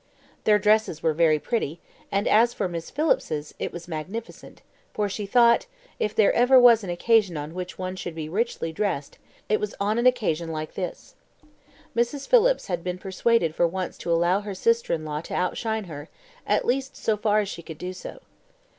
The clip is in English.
Their dresses were very pretty; and as for Miss Phillips's, it was magnificent, for she thought, if there ever was an occasion on which one should be richly dressed, it was on an occasion like this. Mrs. Phillips had been persuaded for once to allow her sister in law to outshine her, at least so far as she could do so.